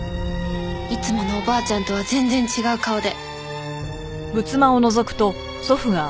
いつものおばあちゃんとは全然違う顔で。